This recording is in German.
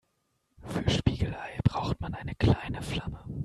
Für Spiegelei braucht man eine kleine Flamme.